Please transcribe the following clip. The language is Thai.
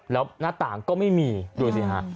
แล้วหน้าต่างก็ไม่มีดูสิฮะ